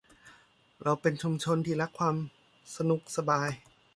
เราเป็นชุมชนที่รักความสนุกสบาย